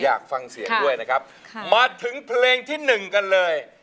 อยากฟังเสียงด้วยนะครับมาถึงเพลงที่หนึ่งกันเลย